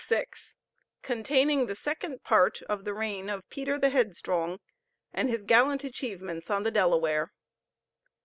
_ CONTAINING THE SECOND PART OF THE REIGN OF PETER THE HEADSTRONG, AND HIS GALLANT ACHIEVEMENTS ON THE DELAWARE.